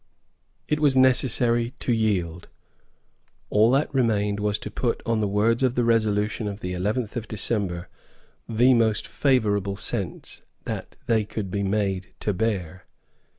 It was necessary to yield. All that remained was to put on the words of the resolution of the eleventh of December the most favourable sense that they could be made to bear.